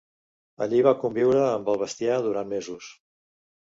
Allí va conviure amb el bestiar durant mesos.